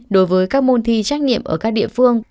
đối với các môn thi trách nhiệm ở các địa phương